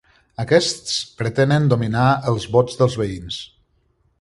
Aquests pretenen dominar els vots dels veïns.